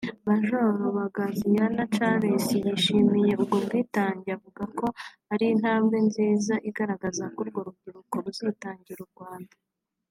Major Baganziyana Charles yashimiye ubwo bwitange avuka ko ari intambwe nziza igaragaza ko urwo rubyiruko ruzitangira u Rwanda